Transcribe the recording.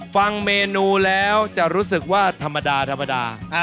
ฟังเมนูแล้วจะรู้สึกว่าธรรมดาธรรมดา